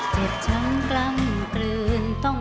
จิ๊บช้ำจริง